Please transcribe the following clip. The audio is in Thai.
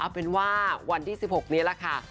เป็นว่าวันที่๑๖นี้แหละค่ะ